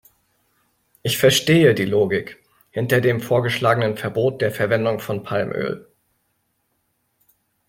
Ich verstehe die Logik hinter dem vorgeschlagenen Verbot der Verwendung von Palmöl.